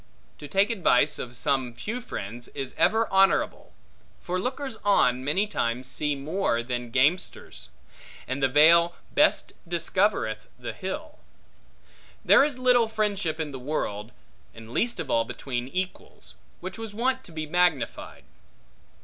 To take advice of some few friends, is ever honorable; for lookers on many times see more than gamesters; and the vale best discovereth the hill. There is little friendship in the world, and least of all between equals, which was wont to be magnified.